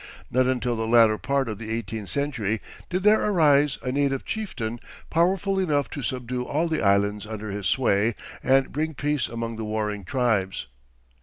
Not until the latter part of the eighteenth century did there arise a native chieftain powerful enough to subdue all the islands under his sway and bring peace among the warring tribes.